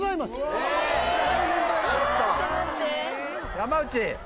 山内！